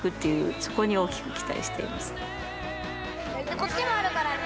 こっちもあるからね。